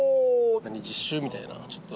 実習みたいな、ちょっと。